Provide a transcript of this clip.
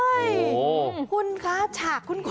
โอ้ยคุณครับฉากคุ้น